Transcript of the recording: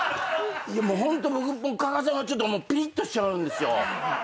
ホント僕加賀さんはちょっとぴりっとしちゃうんですよ。